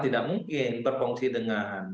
tidak mungkin berfungsi dengan